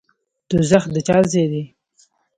دوزخ د چا ځای دی؟